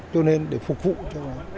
cho nên để phục vụ cho nó